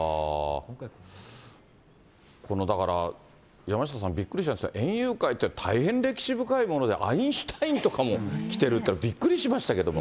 だから、山下さん、びっくりしたんですけど、園遊会って大変歴史深いもので、アインシュタインとかも来てるっていうのは、びっくりしましたけ